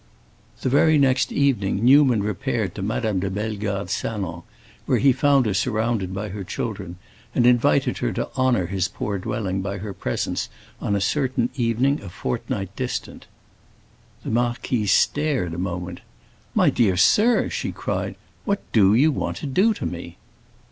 The very next evening Newman repaired to Madame de Bellegarde's salon, where he found her surrounded by her children, and invited her to honor his poor dwelling by her presence on a certain evening a fortnight distant. The marquise stared a moment. "My dear sir," she cried, "what do you want to do to me?"